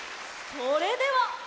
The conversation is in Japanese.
それでは。